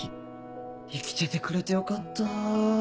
生きててくれてよかった。